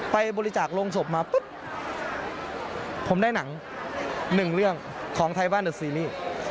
ไปบริจาคโรงศพมาปุ๊บผมได้หนังหนึ่งเรื่องของไทยบ้านเดอร์ซีรีส์